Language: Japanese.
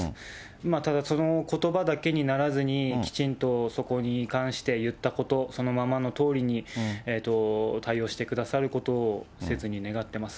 ただ、そのことばだけにならずに、きちんとそこに関して、言ったこと、そのままのとおりに、対応してくださることを切に願ってます。